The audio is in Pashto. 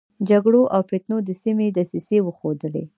جګړو او فتنو د سيمې دسيسې وښودلې.